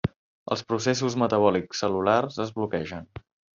Els processos metabòlics cel·lulars es bloquegen.